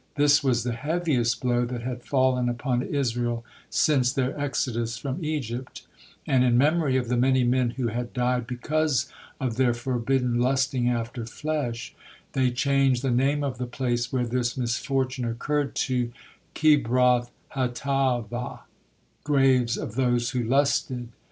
This was the heaviest blow that had fallen upon Israel since their exodus from Egypt, and in memory of the many men who had died because of their forbidden lusting after flesh, they changed the name of the place where this misfortune occurred to Kibroth hattaavah, "Graves of those who lusted."